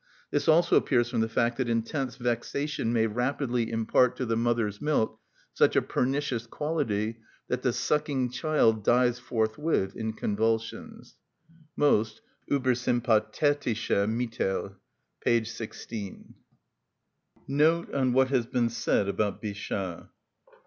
This also appears from the fact that intense vexation may rapidly impart to the mother's milk such a pernicious quality that the sucking child dies forthwith in convulsions (Most, Ueber sympathetische Mittel, p. 16). Note On What Has Been Said About Bichat.